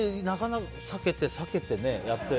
避けて避けてやって。